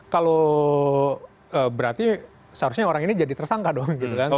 kalau berarti seharusnya orang ini jadi tersangka dong